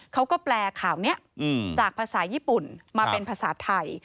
แปลข่าวนี้จากภาษาญี่ปุ่นมาเป็นภาษาไทย